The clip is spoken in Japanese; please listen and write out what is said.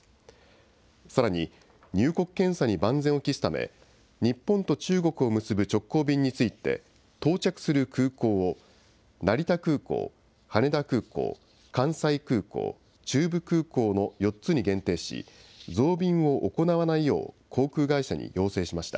さらに、入国検査に万全を期すため、日本と中国を結ぶ直行便について、到着する空港を、成田空港、羽田空港、関西空港、中部空港の４つに限定し、増便を行わないよう航空会社に要請しました。